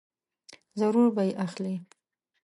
ضرور به یې اخلې !